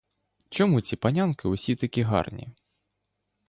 Чому ці панянки усі такі гарні?